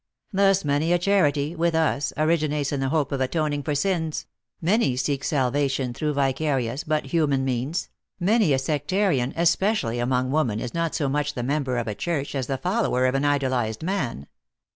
Thus many a charity, with us, originates in the hope of atoning for sins ; many seek salvation through vicarious but human means ; many a sectarian, especially among women is not so much the member of a church, as the follower of an idolized man.